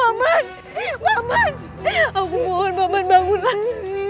aku mohon bangunlah